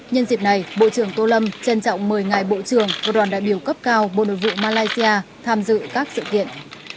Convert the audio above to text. nhân dịp này bộ trưởng tô lâm trân trọng mời ngài bộ trưởng và đoàn đại biểu cấp cao bộ nội vụ malaysia tham dự các sự kiện